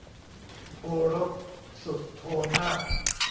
โอรสสุทโธนาค